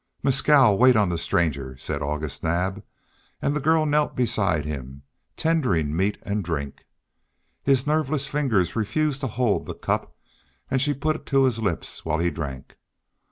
"Mescal, wait on the stranger," said August Naab, and the girl knelt beside him, tendering meat and drink. His nerveless fingers refused to hold the cup, and she put it to his lips while he drank.